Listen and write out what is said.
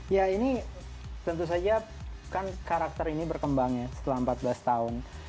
ya ini tentu saja kan karakter ini berkembang ya setelah empat belas tahun